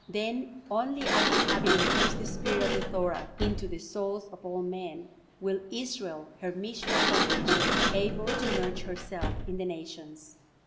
Then only, after having infused the spirit of the Thora into the souls of all men, will Israel, her mission accomplished, be able to merge herself in the nations."